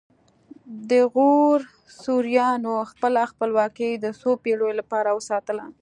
د غور سوریانو خپله خپلواکي د څو پیړیو لپاره وساتله